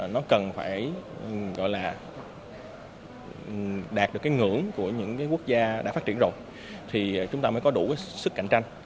nó cần phải gọi là đạt được cái ngưỡng của những cái quốc gia đã phát triển rồi thì chúng ta mới có đủ sức cạnh tranh